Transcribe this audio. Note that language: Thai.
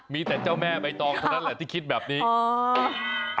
มีแต่เจ้าแม่ใบตองเท่านั้นแหละที่คิดแบบนี้